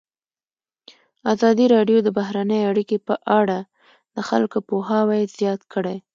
ازادي راډیو د بهرنۍ اړیکې په اړه د خلکو پوهاوی زیات کړی.